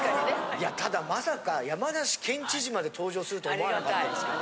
いやただまさか山梨県知事まで登場すると思わなかったですけど。